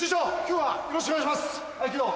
今日はよろしくお願いします合気道。